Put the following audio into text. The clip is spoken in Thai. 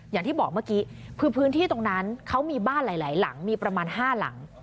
อย่างที่บอกเมื่อกี้คือพื้นที่ตรงนั้นเขามีบ้านหลายหลังมีประมาณ๕หลัง